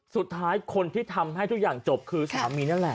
สุดท้ายคนที่ทำให้ทุกอย่างจบคือสามีนั่นแหละ